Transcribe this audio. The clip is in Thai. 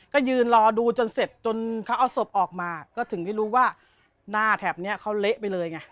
ก็ยืนรอดูจนเสร็จจนเขาเอาศพออกมาก็ถึงได้รู้ว่าหน้าแถบนี้เขาเละไปเลยไง